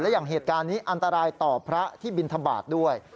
อย่างเหตุการณ์นี้อันตรายต่อพระที่บินทบาทด้วย